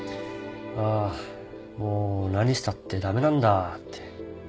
ああもう何したって駄目なんだって。